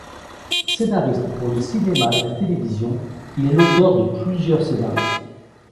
Scénariste pour le cinéma et la télévision, il est l’auteur des plusieurs scénarios.